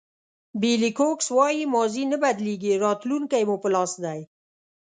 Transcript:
بېلي کوکس وایي ماضي نه بدلېږي راتلونکی مو په لاس دی.